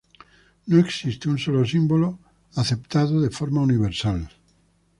No existe un solo símbolo aceptado de forma universal.